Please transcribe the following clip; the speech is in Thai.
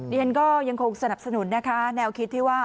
เรียนก็ยังคงสนับสนุนนะคะแนวคิดที่ว่า